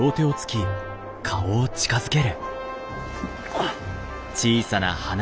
あっ！